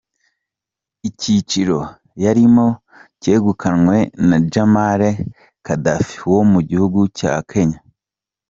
Icyiciro yarimo cyegukanywe na Jamal Gaddafi wo mu gihugu cya Kenya.